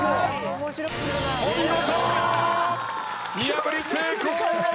お見事！